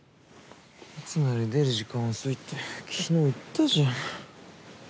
いつもより出る時間遅いって昨日言ったじゃん。